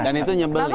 dan itu nyebelin